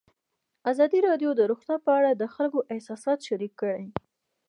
ازادي راډیو د روغتیا په اړه د خلکو احساسات شریک کړي.